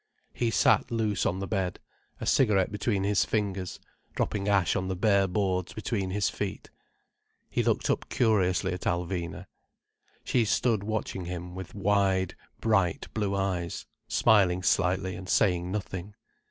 He sat loose on the bed, a cigarette between his fingers, dropping ash on the bare boards between his feet. He looked up curiously at Alvina. She stood watching him with wide, bright blue eyes, smiling slightly, and saying nothing.